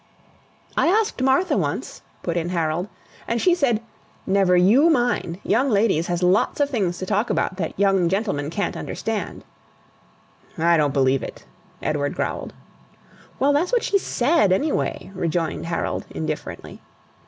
"I asked Martha once," put in Harold; "and she said, 'Never YOU mind; young ladies has lots of things to talk about that young gentlemen can't understand.'" "I don't believe it," Edward growled. "Well, that's what she SAID, anyway," rejoined Harold, indifferently.